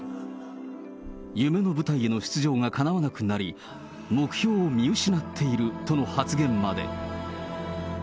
夢の舞台への出場がかなわなくなり、目標を見失っているとの発言まで。